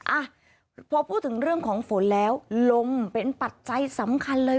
อ่ะพอพูดถึงเรื่องของฝนแล้วลมเป็นปัจจัยสำคัญเลย